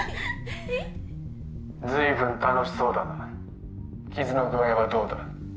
ずいぶん楽しそうだな傷の具合はどうだ？